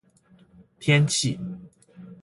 天气